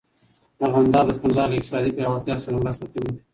ارغنداب د کندهار له اقتصادي پیاوړتیا سره مرسته کوي.